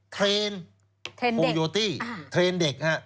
เทรนเทรนเด็ก